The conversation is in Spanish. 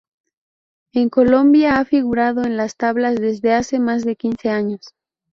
En Colombia, ha figurado en las tablas desde hace más de quince años.